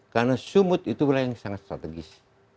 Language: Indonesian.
karena sumut itu adalah yang sangat strategis